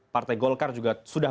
partai golkar juga sudah